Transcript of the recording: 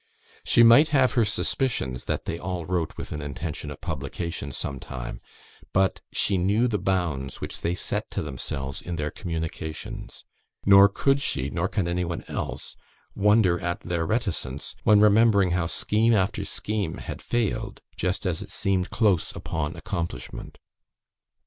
She might have her suspicions that they all wrote with an intention of publication some time; but she knew the bounds which they set to themselves in their communications; nor could she, nor can any one else, wonder at their reticence, when remembering how scheme after scheme had failed, just as it seemed close upon accomplishment.